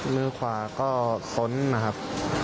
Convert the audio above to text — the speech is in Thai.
มือขวาก็พ้นนะครับ